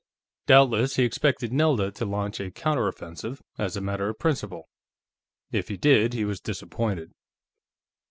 Doubtless he expected Nelda to launch a counter offensive, as a matter of principle. If he did, he was disappointed.